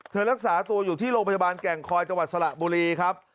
รักษาตัวอยู่ที่โรงพยาบาลแก่งคอยจังหวัดสระบุรีครับ